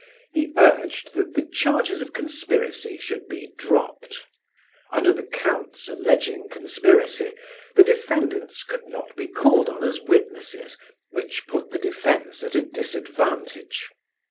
He urged that the charges of conspiracy should be dropped. Under the counts alleging conspiracy, the defendants could not be called on as witnesses, which put the defence at a disadvantage.